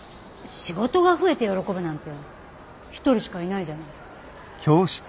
仕事が増えて喜ぶなんて一人しかいないじゃない。